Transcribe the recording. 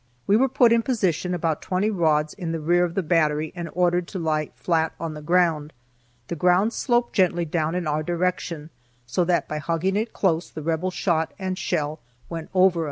We were put in position about twenty rods in the rear of the battery, and ordered to lie flat on the ground. The ground sloped gently down in our direction, so that by hugging it close, the rebel shot and shell went over us.